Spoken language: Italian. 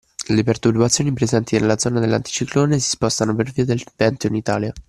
Le perturbazioni presenti nella zone dell'anticiclone si spostano per via del vento in Italia